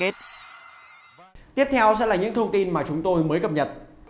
tiếp theo sẽ là những thông tin mà chúng tôi mới cập nhật